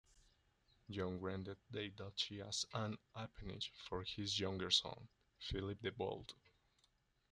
John granted the duchy as an appanage for his younger son, Philip the Bold.